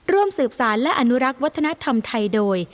ร่วมสืบสารและอนุรักษ์วัฒนธรรมไทยโดย